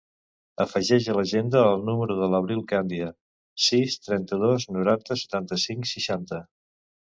Afegeix a l'agenda el número de l'Avril Candia: sis, trenta-dos, noranta, setanta-cinc, seixanta.